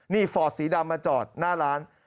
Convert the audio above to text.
นี่ฟอร์ดสีดำมาจอดหน้าร้าน